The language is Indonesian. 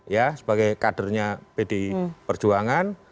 ya sebagai kadernya pdi perjuangan